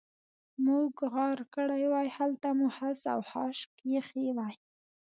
مو غار کړې وای، هلته مو خس او خاشاک اېښي وای.